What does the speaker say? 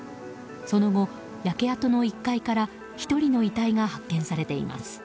その後、焼け跡の１階から１人の遺体が発見されています。